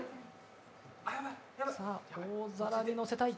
大皿に乗せたい。